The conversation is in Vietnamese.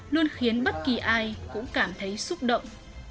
luôn khiến bất kỳ ai cũng cảm thấy xúc động